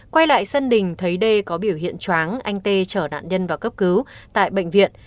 quay lại sân đình thấy đê có biểu hiện chóng anh t chở đạn nhân vào cấp cứu tại bệnh viện